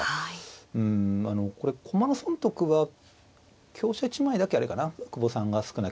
うんあのこれ駒の損得は香車１枚だけあれかな久保さんが少ない。